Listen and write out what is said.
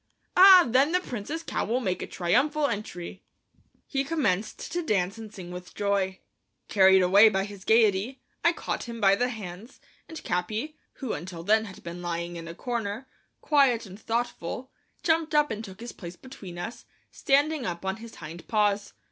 "Ah, then the Prince's cow will make a triumphal entry." He commenced to dance and sing with joy. Carried away by his gayety, I caught him by the hands, and Capi, who until then had been lying in a corner, quiet and thoughtful, jumped up and took his place between us, standing up on his hind paws.